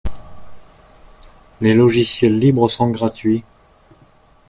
Les logiciels libres sont gratuits.